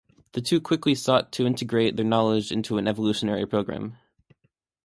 The two quickly sought to integrate their knowledge into an evolutionary program.